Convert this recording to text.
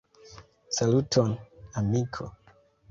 Saluton, amiko!